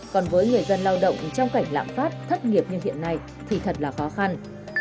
còn với người dân lao động trong cảnh lạm phát thất nghiệp như hiện nay thì thật là khó khăn